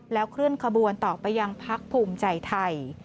เคลื่อนขบวนต่อไปยังพักภูมิใจไทย